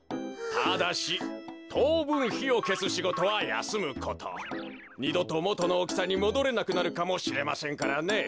ただしとうぶんひをけすしごとはやすむこと。にどともとのおおきさにもどれなくなるかもしれませんからね。